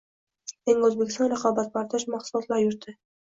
“Yangi O‘zbekiston – raqobatbardosh mahsulotlar yurti”